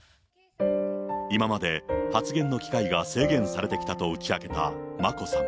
今まで発言の機会が制限されてきたと打ち明けた眞子さん。